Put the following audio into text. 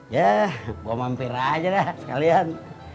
ya gue mampir aja dah sekalian